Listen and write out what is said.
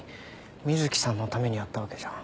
水木さんのためにやったわけじゃ。